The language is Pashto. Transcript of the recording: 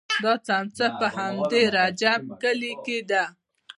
دا څمڅه په همدې رجیب کلي کې ده.